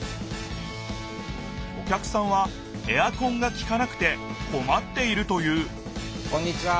お客さんはエアコンがきかなくてこまっているというこんにちは！